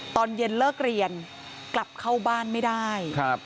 ตอนเย็นเลิกเรียนกลับเข้าบ้านไม่ได้